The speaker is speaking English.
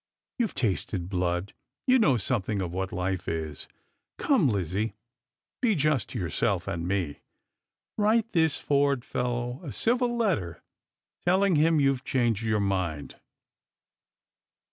You've tasted blood; you know something of what hfe is. Come, Lizzio, be just to yourself and me. Write this Forde fello" «>" ^II letter telling him you've changed your mind."